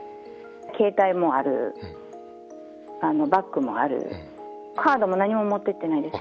携帯もある、バッグもある、カードも何も持ってってないです。